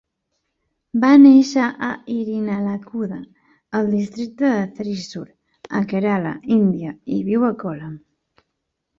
Va néixer a Irinalakuda, al districte de Thrissur, a Kerala, Índia, i viu a Kollam.